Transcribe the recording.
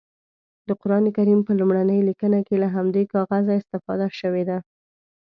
د قرانکریم په لومړنۍ لیکنه کې له همدې کاغذه استفاده شوې ده.